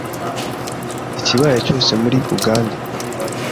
ikibaye cyose muri Uganda